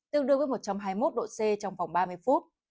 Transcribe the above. tương đương với một trăm hai mươi một độ c trong vòng ba mươi phút